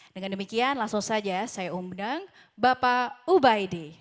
dengan demikian langsung saja saya undang bapak ubaidi